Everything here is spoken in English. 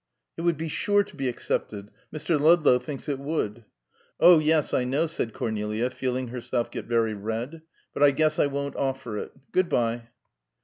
"It would be sure to be accepted; Mr. Ludlow thinks it would." "Oh, yes; I know," said Cornelia, feeling herself get very red. "But I guess I won't offer it. Goodbye."